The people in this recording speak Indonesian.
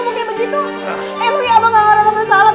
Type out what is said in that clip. emang abang gak ada yang bersalah telah membunuh anak sendiri bang